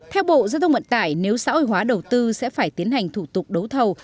theo bộ giao thông vận tải nếu xã hội hóa đầu tư sẽ phải tiến hành thủ tục đấu thầu